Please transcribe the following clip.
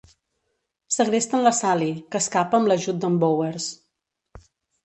Segresten la Sally, que escapa amb l'ajut d'en Bowers.